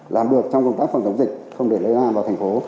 làm được trong công tác phòng chống dịch không để lây lan vào thành phố